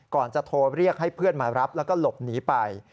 จะโทรเรียกให้เพื่อนมารับแล้วก็หลบหนีไป